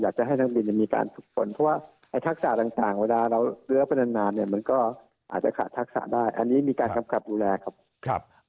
ได้ข้อมูลได้ความรู้ครับ